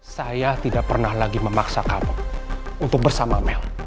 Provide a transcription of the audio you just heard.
saya tidak pernah lagi memaksa kamu untuk bersama mel